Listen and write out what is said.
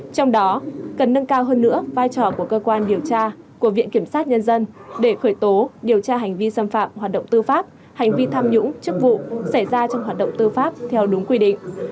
trong đó cần nâng cao hơn nữa vai trò của cơ quan điều tra của viện kiểm sát nhân dân để khởi tố điều tra hành vi xâm phạm hoạt động tư pháp hành vi tham nhũng chức vụ xảy ra trong hoạt động tư pháp theo đúng quy định